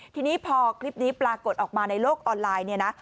ทีนี้พอคลิปนี้ปรากฏออกมาในโลกออนไลน์เนี่ยนะ